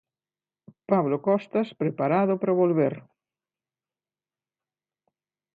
Pablo Costas preparado para volver.